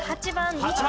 ８番。